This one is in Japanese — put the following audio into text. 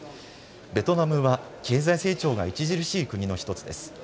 ベトナムは経済成長が著しい国の１つです。